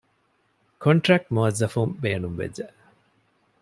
ކޮންޓްރެކްޓް މުއައްޒަފުން ބޭނުންވެއްޖެ